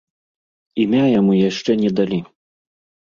Імя яму яшчэ не далі.